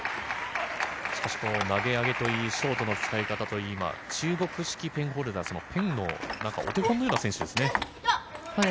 しかし投げ上げといい、ショートの使い方といい、中国式ペンホルダー、お手本のような選手ですね。